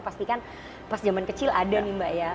pastikan pas zaman kecil ada nih mbak ya